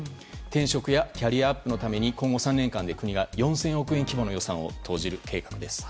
転職やキャリアアップのために今後３年間で、国が４０００億円規模の予算を投じる計画です。